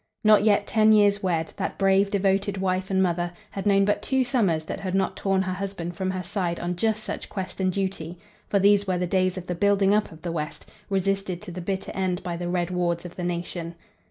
Not yet ten years wed, that brave, devoted wife and mother had known but two summers that had not torn her husband from her side on just such quest and duty, for these were the days of the building up of the West, resisted to the bitter end by the red wards of the nation.